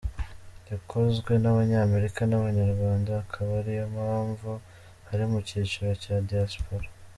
Yakozwe n’Abanyamerika n’Abanyarwanda, akaba ariyo mpamvu iri mu cyiciro cya diaspora.